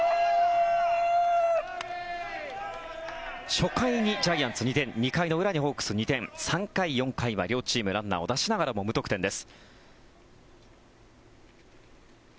初回にジャイアンツ２点２回の裏にホークス２点３回、４回は両チームランナーを出しながらも無得点です。